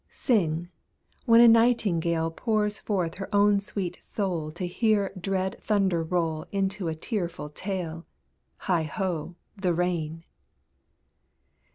Sing when a Nightingale Pours forth her own sweet soul To hear dread thunder roll Into a tearful tale Heigh ho! The rain!